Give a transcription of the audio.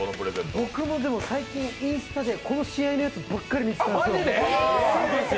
僕も最近、インスタでこの試合のやつばっかり見てたんですよ。